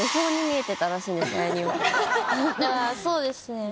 そうですね。